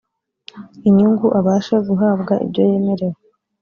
inyungu abashe guhabwa ibyo yemerewe